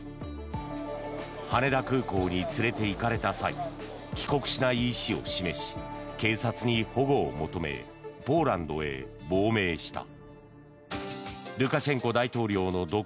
羽田空港に連れていかれた際帰国しない意思を示し警察に保護を求めポーランドへ亡命した。